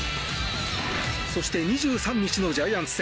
そして２３日のジャイアンツ戦。